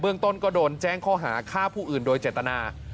เรื่องต้นก็โดนแจ้งข้อหาฆ่าผู้อื่นโดยเจตนา